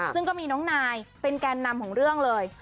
ซึ่งก็มีน้องนายเป็นแกนนำของเรื่องเลย